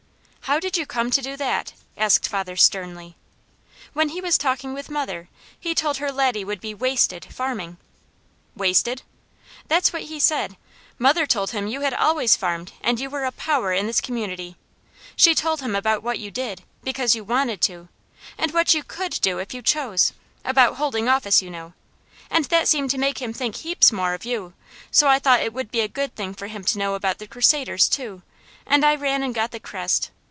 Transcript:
"How did you come to do that?" asked father sternly. "When he was talking with mother. He told her Laddie would be 'wasted' farming " "Wasted?" "That's what he said. Mother told him you had always farmed and you were a 'power in this community.' She told him about what you did, because you wanted to, and what you COULD do if you chose, about holding office, you know, and that seemed to make him think heaps more of you, so I thought it would be a good thing for him to know about the Crusaders too, and I ran and got the crest.